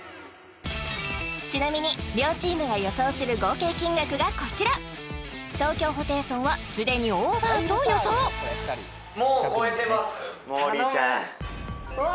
ちなみに両チームが予想する合計金額がこちら東京ホテイソンはすでにオーバーと予想もーりーちゃん頼む！